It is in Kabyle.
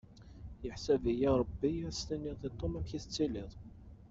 Yeḥsab-iyi Rebbi ad as-tiniḍ i Tom amek i tettiliḍ.